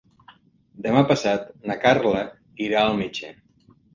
Demà passat na Carla irà al metge.